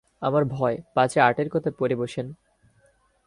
আমার ভয়, পাছে আর্টের কথা পেড়ে বসেন।